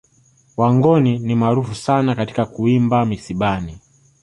Wangoni ni maarufu sana katika kuimba misibani